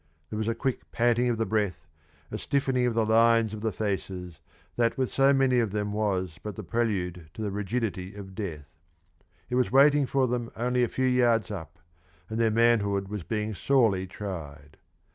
There was a quick panting of the breath, a stiffening of the lines of the faces, that with so many of them was but the prelude to the rigidity of death. It was waiting for them only a few yards up, and their manhood was being sorely tried.